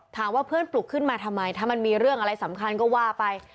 ถามว่าเพื่อนปลุกขึ้นมาทำไมถ้ามันมีเรื่องอะไรสำคัญก็ว่าไป